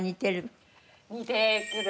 似てくる。